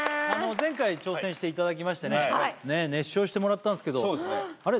前回挑戦していただきましてね熱唱してもらったんすけどあれ？